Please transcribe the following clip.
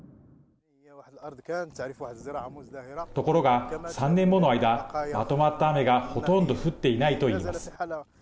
ところが、３年もの間まとまった雨がほとんど降っていないといいます。